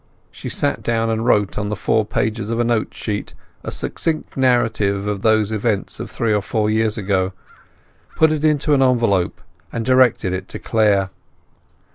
She sat down and wrote on the four pages of a note sheet a succinct narrative of those events of three or four years ago, put it into an envelope, and directed it to Clare.